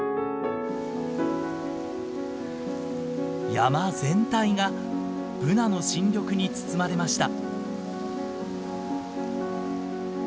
山全体がブナの新緑に包まれました。